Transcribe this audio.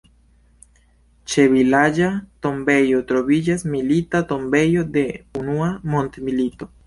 Ĉe vilaĝa tombejo troviĝas milita tombejo de unua mondmilito.